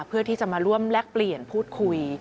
เพื่อที่จะมาร่วมแลกเปลี่ยนพูดคุย